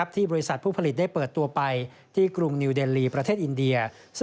ที่บริษัทผู้ผลิตได้เปิดตัวไป